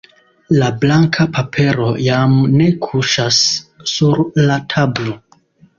La blanka papero jam ne kuŝas sur la tablo.